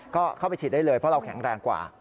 ก็เข้าไปฉีดได้เลยเพราะเราแข็งแรงกว่า